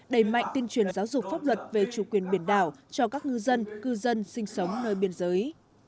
đẩy mạnh tuyên truyền giáo dục pháp luật về chủ quyền biển đảo cho các ngư dân cư dân sinh sống nơi biên giới